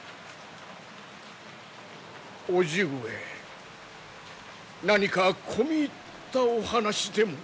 叔父上何か込み入ったお話でも？